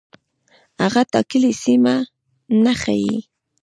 هغه ټاکلې سیمه نه ښيي.